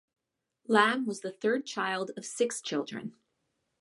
Lam was the third child of six children.